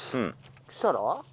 そしたら？